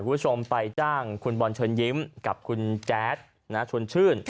คุณผู้ชมไปจ้างคุณบอลเชิญยิ้มกับคุณแจ๊ดชวนชื่น